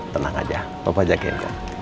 tenang aja papa jaga ya